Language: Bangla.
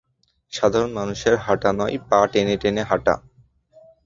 সাধারণ মানুষের হাঁটা নয়, পা টেনে টেনে হাঁটা।